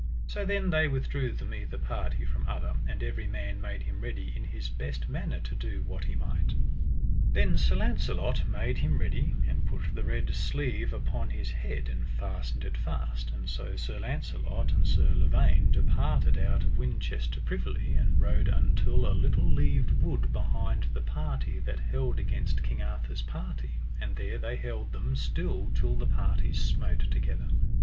So then they withdrew them either party from other, and every man made him ready in his best manner to do what he might. Then Sir Launcelot made him ready, and put the red sleeve upon his head, and fastened it fast; and so Sir Launcelot and Sir Lavaine departed out of Winchester privily, and rode until a little leaved wood behind the party that held against King Arthur's party, and there they held them still till the parties smote together.